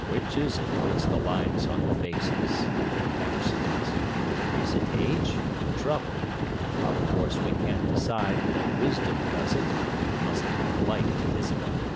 "Which is it puts the lines on the faces?" Amberson asked. "Is it age or trouble? Of course we can't decide that wisdom does it—we must be polite to Isabel."